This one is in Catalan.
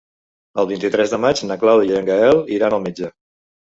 El vint-i-tres de maig na Clàudia i en Gaël iran al metge.